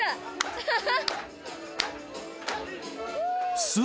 アハハハ。